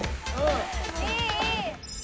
いいいい！